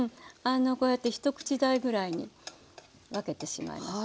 こうやって一口大ぐらいに分けてしまいます。